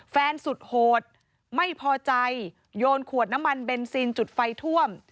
สุดโหดไม่พอใจโยนขวดน้ำมันเบนซินจุดไฟท่วม